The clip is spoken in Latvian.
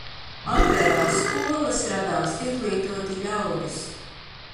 Atvērās skolas, radās izglītoti ļaudis.